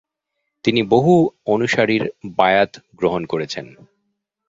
তিনি বহু অনুসারীর বায়াত গ্রহণ করেছেন।